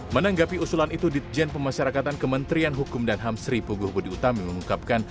menanggapi usulan itu ditjen pemasyarakatan kementerian hukum dan ham sri puguh budi utami mengungkapkan